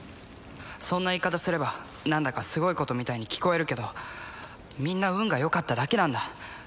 そんな言い方すれば何だかすごいことみたいに聞こえるけどみんな運がよかっただけなんだ